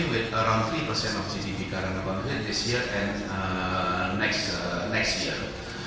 hidup dengan sekitar tiga persen gdp karena di divisi tahun ini dan tahun depan